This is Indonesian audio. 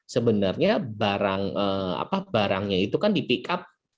sebenarnya barangnya itu kan dipikap